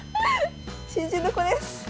新人の子です。